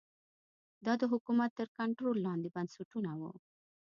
دا د حکومت تر کنټرول لاندې بنسټونه وو